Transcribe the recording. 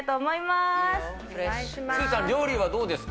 すずちゃん、料理はどうですか。